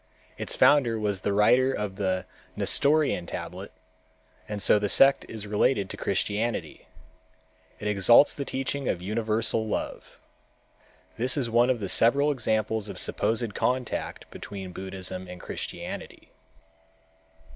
Its founder was the writer of the Nestorian tablet and so the sect is related to Christianity. It exalts the teaching of universal love. This is one of several examples of a supposed contact between Buddhism and Christianity.